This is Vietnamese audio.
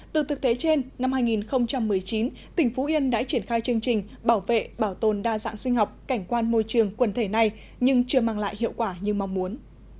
từ thực tế trên năm hai nghìn một mươi chín tỉnh phú yên đã triển khai chương trình bảo vệ bảo tồn đa dạng sinh học cảnh quan môi trường quần thể này nhưng chưa mang lại hiệu quả như mong muốn